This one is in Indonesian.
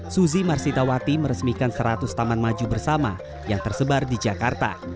suzy marsitawati meresmikan seratus taman maju bersama yang tersebar di jakarta